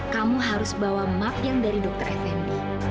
kamu harus bawa map yang dari dokter fnd